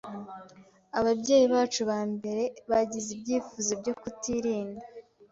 Ababyeyi bacu ba mbere bagize ibyifuzo byo kutirinda